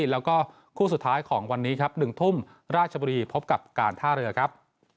แล้วก็คู่สุดท้ายของวันนี้ครับ๑ทุ่มราชบุรีพบกับการท่าเรือครับ